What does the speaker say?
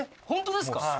本当ですか？